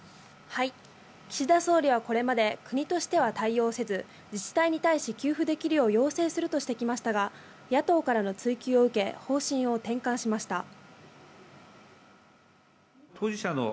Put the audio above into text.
岸田総理はこれまで国としては対応せず、自治体に対し給付できるよう要請するとしてきましたが、野党からの追及を受け、方針を転換しました。